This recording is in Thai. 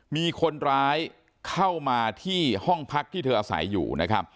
มีคนร้ายเข้ามาที่ห้องพรรคที่เธออาศัยอยู่